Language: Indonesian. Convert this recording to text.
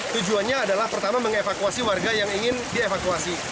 tujuannya adalah pertama mengevakuasi warga yang ingin dievakuasi